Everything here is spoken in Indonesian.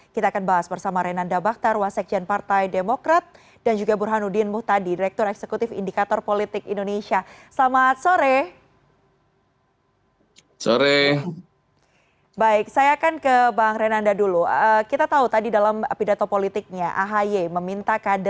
kita akan bahas bersama renanda baktar wasekjen partai demokrat dan juga burhanuddin muhtadi direktur eksekutif indikator politik indonesia selamat sore